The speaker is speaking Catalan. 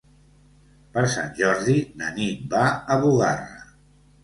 Per Sant Jordi na Nit va a Bugarra.